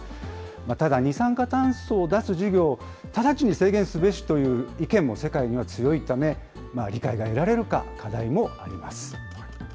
ただ、二酸化炭素を出す事業を直ちに制限すべしという意見も世界には強いため、理解が得られるか課題もあります。